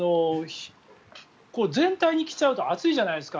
全体に着ちゃうと暑いじゃないですか。